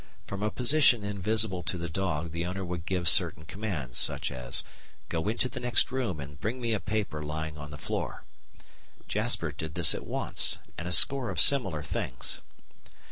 From a position invisible to the dog the owner would give certain commands, such as "Go into the next room and bring me a paper lying on the floor." Jasper did this at once, and a score of similar things.